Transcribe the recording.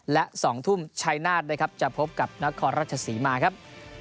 และ๒ทุ่มชัยนาฬจะพบกับนครรัชศรีมาครับ